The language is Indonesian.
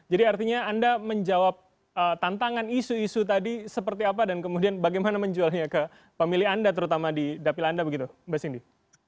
jadi artinya anda menjawab tantangan isu isu tadi seperti apa dan kemudian bagaimana menjualnya ke pemilih anda terutama di dapil anda begitu mbak sindi